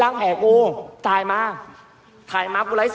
พอแล้วพอแล้ว